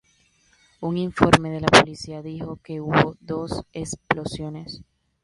Un informe de la policía dijo que hubo dos explosiones.